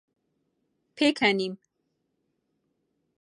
پێکەنیم.